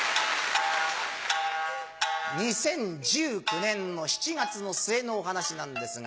２０１９年の７月の末のお話なんですが